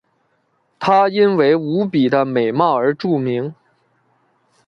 她因为无比的美貌而著名。